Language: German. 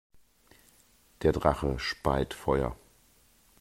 Der Drache speit Feuer.